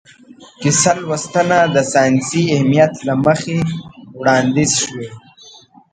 کیسه لوستنه د ساینسي اهمیت له مخې وړاندیز شوې.